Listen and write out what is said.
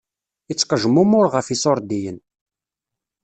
Ittqejmumuṛ ɣef iṣuṛdiyen.